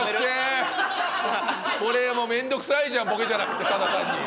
これもうめんどくさいじゃんボケじゃなくてただ単に。